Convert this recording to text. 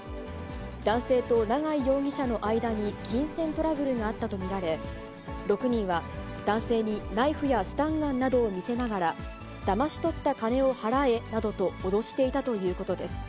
男性と永井容疑者の間に金銭トラブルがあったと見られ、６人は、男性にナイフやスタンガンなどを見せながら、だまし取った金を払えなどと脅していたということです。